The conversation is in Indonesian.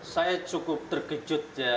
saya cukup terkejut ya